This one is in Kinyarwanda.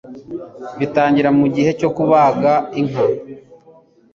bitangira mu gihe cyo kubaga inka.